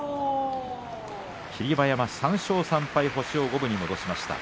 霧馬山、３勝３敗と星を五分に戻しました。